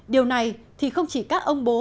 điều này thì không chỉ các ông bố